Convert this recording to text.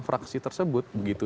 fraksi tersebut begitu